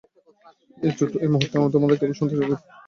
এই মুহুর্তে, তোমাকে কেবল সন্ত্রাসী বলে অভিযুক্ত করা হয়েছে।